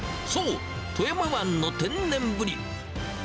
そう、富山湾の天然ブリ。